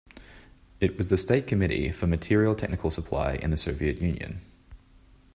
It was the state committee for material technical supply in the Soviet Union.